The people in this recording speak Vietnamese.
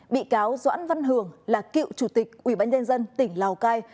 bị cáo doãn văn hường là cựu chủ tịch ủy ban nhân dân tỉnh lào cai